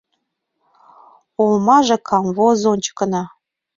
Олмаже камвозо ончыкына